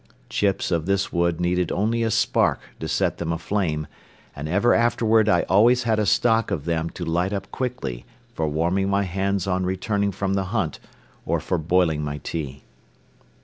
Chips of this wood needed only a spark to set them aflame and ever afterward I always had a stock of them to light up quickly for warming my hands on returning from the hunt or for boiling my tea.